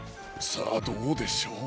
さあどうでしょう？